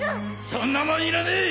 ・そんなもんいらねえ！